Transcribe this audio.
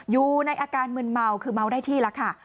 อยู่ในอาการมึนเมาคือเมาได้ที่แล้วค่ะ